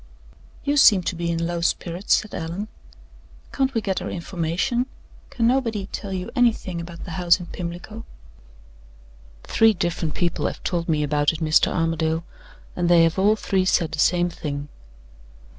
"You seem to be in low spirits," said Allan. "Can't we get our information? Can nobody tell you anything about the house in Pimlico?" "Three different people have told me about it, Mr. Armadale, and they have all three said the same thing."